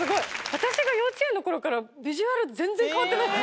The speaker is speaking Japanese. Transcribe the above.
私が幼稚園の頃からビジュアル全然変わってない。